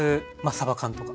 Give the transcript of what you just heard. サバ缶とか。